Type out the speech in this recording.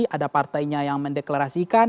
ada partainya yang mendeklarasikan